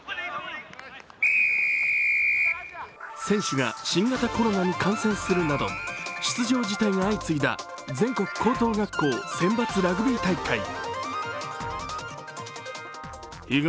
選手が新型コロナに感染するなど出場辞退が相次いだ全国高等学校選抜ラグビー大会。